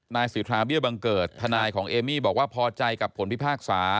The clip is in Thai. นายสิทธาเบี้ยบังเกิดทนายของเอมี่บอกว่าพอใจกับผลพิพากษา